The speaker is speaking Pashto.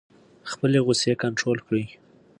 خپلې غصې کنټرول کړئ.